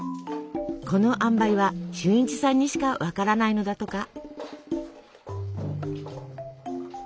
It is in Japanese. このあんばいは俊一さんにしか分からないのだとか。